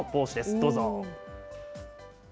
どうぞ。